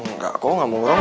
enggak kok gak murung